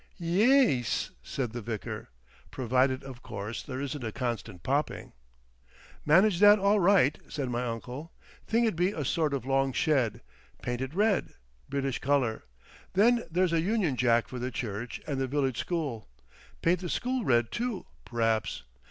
"Ye ees," said the vicar. "Provided, of course, there isn't a constant popping."... "Manage that all right," said my uncle. "Thing'd be a sort of long shed. Paint it red. British colour. Then there's a Union Jack for the church and the village school. Paint the school red, too, p'raps.